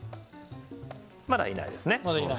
まだ、いないですね。